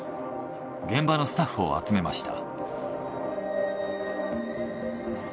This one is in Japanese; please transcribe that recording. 現場のスタッフを集めました。